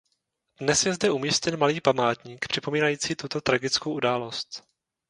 Dnes je zde umístěn malý památník připomínající tuto tragickou událost.